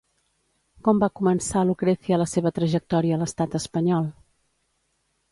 Com va començar Lucrecia la seva trajectòria a l'estat espanyol?